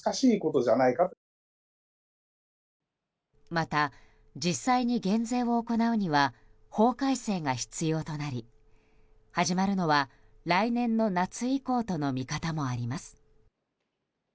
また、実際に減税を行うには法改正が必要となり始まるのは来年の夏以降との見方もあります。